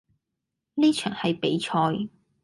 呢場係比賽